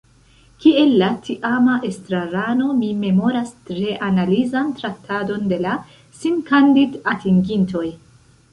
Kiel la tiama estrarano mi memoras tre analizan traktadon de la sinkandidatigintoj.